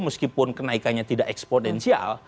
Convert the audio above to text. meskipun kenaikannya tidak eksponensial